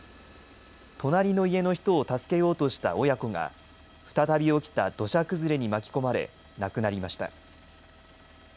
隣の家の人を助けようとした親子が、再び起きた土砂崩れに巻き込まれ、亡くなりました。